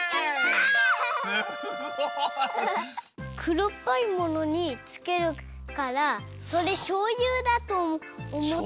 くろっぽいものにつけるからそれしょうゆだとおもったから。